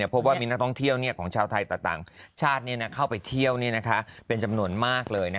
พบว่ามีนักท่องเที่ยวของชาวไทยแต่ต่างชาติเข้าไปเที่ยวเป็นจำนวนมากเลย